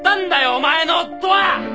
お前の夫は！